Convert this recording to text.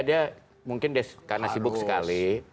dia mungkin karena sibuk sekali